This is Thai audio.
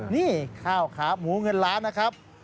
นี่ข้าวขาหมูเงินล้านนะครับ